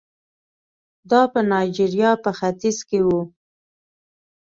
دا په نایجریا په ختیځ کې وو.